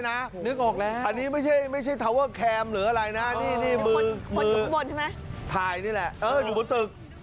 นี่แหละเอออยู่บนตึก